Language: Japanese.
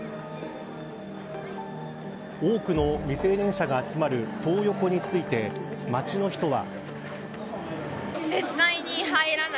多くの未成年者が集まるトー横について街の人は。